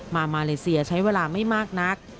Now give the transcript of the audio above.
มามาเลเซียใช้เวลาไม่มากนัก